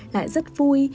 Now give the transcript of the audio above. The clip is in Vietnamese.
lại rất vui